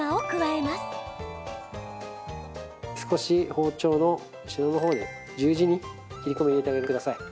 少し包丁の後ろの方で十字に切り込みを入れてあげてください。